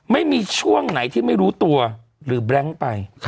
ไม่มีช่วงไหนที่ไม่รู้ตัวหรือแบล็งไป